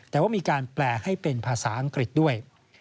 แต่ว่ามีการแปลให้เป็นภาษาอังกฤษด้วย